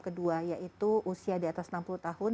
ke dua yaitu usia di atas enam puluh tahun